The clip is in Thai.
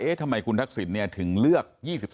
เอ๊ะทำไมคุณทักษิณเนี้ยถึงเลือก